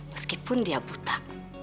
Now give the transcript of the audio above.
meskipun dia buta